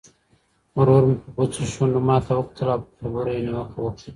ورور مې په بوڅو شونډو ماته وکتل او په خبرو یې نیوکه وکړه.